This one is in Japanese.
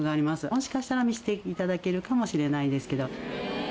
もしかしたら見せて頂けるかもしれないですけど。